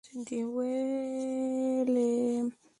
La mayoría del recorrido es en superficie.